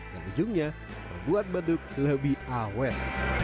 dan ujungnya membuat beduk lebih awet